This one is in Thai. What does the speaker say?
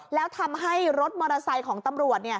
แล้วทำให้รถมอเตอร์ไซค์ของตำรวจ